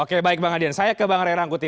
oke baik bang adrian saya ke bang rai rangkuti